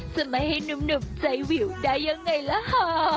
จะไม่ให้หนุ่มใจวิวได้ยังไงล่ะค่ะ